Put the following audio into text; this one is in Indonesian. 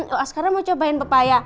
oh sekarang mau cobain pepaya